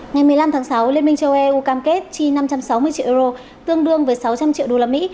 ngày một mươi năm tháng sáu liên minh châu âu eu cam kết chi năm trăm sáu mươi triệu euro tương đương với sáu trăm linh triệu usd